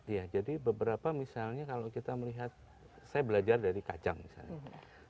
ya jadi beberapa misalnya kalau kita melihat saya belajar dari kacang misalnya